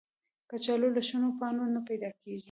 کچالو له شنو پاڼو نه پیدا کېږي